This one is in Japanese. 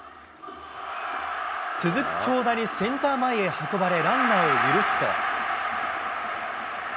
続く京田にセンター前へ運ばれ、ランナーを許すと。